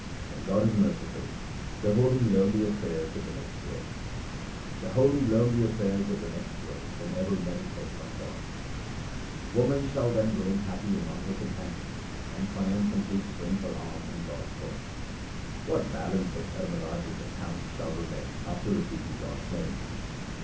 When God is merciful the holy learn the affairs of the next world : The holy learn the affairs of the next world and ever meditate on God. 288 THE SIKH RELIGION Woman shall then roam happy among her companions, and triumphantly swing her arm in God's court. What balance of Dharmraj's account shall remain after repeating God's name